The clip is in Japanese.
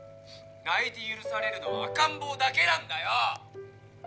泣いて許されるのは赤ん坊だけなんだよ！